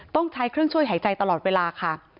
ต้องใช้เครื่องช่วยหายใจตลอดเวลาค่ะ